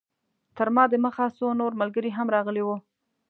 تر ما د مخه څو نور ملګري هم راغلي وو.